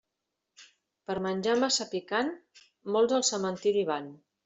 Per menjar massa picant, molts al cementeri van.